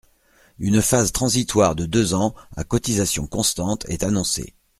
Une phase transitoire de deux ans, à cotisations constantes, est annoncée.